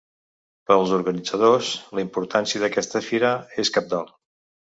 Per als organitzadors, la importància d’aquesta fira és cabdal.